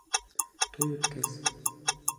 Туй үткәс!